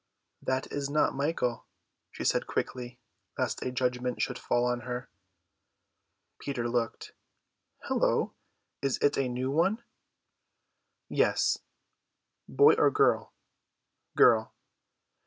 "That is not Michael," she said quickly, lest a judgment should fall on her. Peter looked. "Hullo, is it a new one?" "Yes." "Boy or girl?" "Girl."